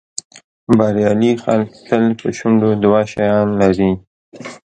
بریالي خلک تل په شونډو دوه شیان لري.